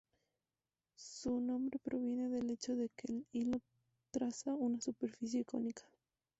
Su nombre proviene del hecho de que el hilo traza una superficie cónica.